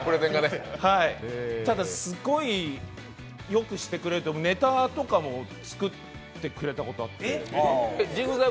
ただすごいよくしてくれてネタとかも作ってくれたことあって。